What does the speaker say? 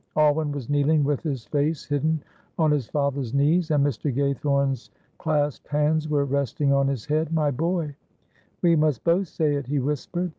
Alwyn was kneeling with his face hidden on his father's knees, and Mr. Gaythorne's clasped hands were resting on his head. "My boy, we must both say it," he whispered.